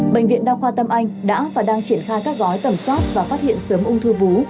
bệnh viện đa khoa tâm anh đã và đang triển khai các gói tẩm soát và phát hiện sớm ung thư vú